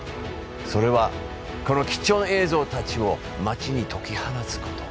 それは、この貴重な映像たちを街に解き放つこと。